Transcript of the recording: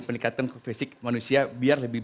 peningkatan ke fisik manusia biar lebih